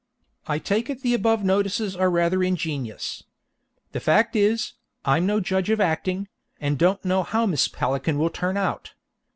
_ I take it the above notices are rather ingenious. The fact is, I'm no judge of acting, and don't know how Miss Pelican will turn out.